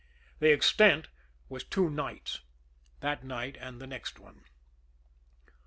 The extent was two nights that night, and the next one.